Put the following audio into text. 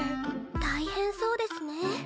大変そうですね。